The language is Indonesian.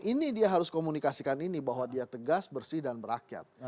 ini dia harus komunikasikan ini bahwa dia tegas bersih dan berakyat